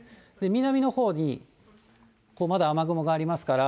南のほうにまだ雨雲がありますから。